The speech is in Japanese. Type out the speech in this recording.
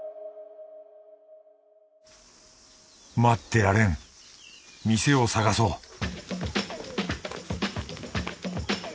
待ってられん店を探そう